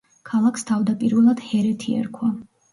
ქალაქს თავდაპირველად ჰერეთი ერქვა.